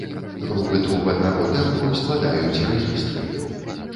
Групы труб аднаго тэмбру складаюць рэгістры.